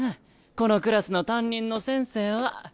このクラスの担任の先生は。